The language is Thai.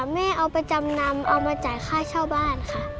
แม่เอาไปจำนำเอามาจ่ายค่าเช่าบ้านค่ะ